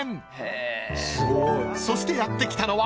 ［そしてやって来たのは］